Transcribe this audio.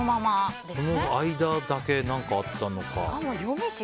その間だけ何かあったのか。